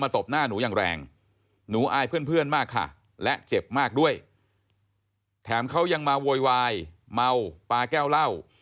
แท้มเขายังมาววยวายเมาปลาก้าวเหล้า